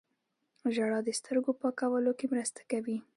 ژړا د سترګو پاکولو کې مرسته کوي